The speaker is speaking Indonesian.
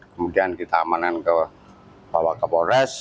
kemudian kita amanan bawa ke polres